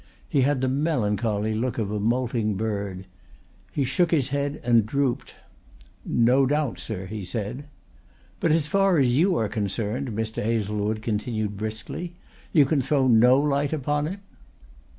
He had the melancholy look of a moulting bird. He shook his head and drooped. "No doubt, sir," he said. "But as far as you are concerned," Mr. Hazlewood continued briskly, "you can throw no light upon it?"